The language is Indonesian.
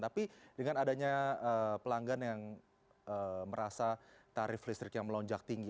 tapi dengan adanya pelanggan yang merasa tarif listrik yang melonjak tinggi